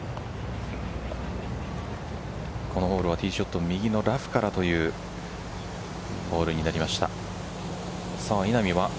このホールはティーショット右のラフからというホールになりました。